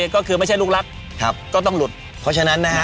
ก็คือไม่ใช่ลูกรักก็ต้องหลุดเพราะฉะนั้นนะฮะ